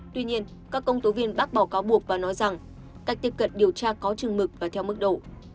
tuy nhiên các công tố viên bác bỏ cáo buộc và nói rằng cách tiếp cận điều tra có chừng mực và theo mức độ